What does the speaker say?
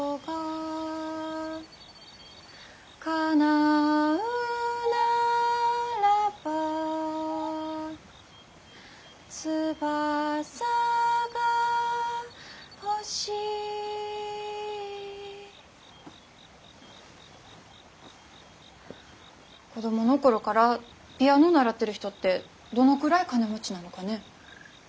「かなうならば翼がほしい」子供の頃からピアノ習ってる人ってどのくらい金持ちなのかね。